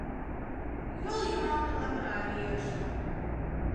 Йол йымалне лавыра лиеш.